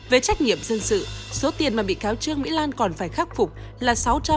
về trách nhiệm dân sự số tiền mà bị cáo trương mỹ lan còn phải khắc phục là